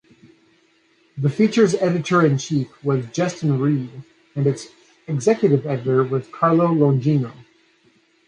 TheFeature's editor-in-chief was Justin Ried, and its executive editor was Carlo Longino.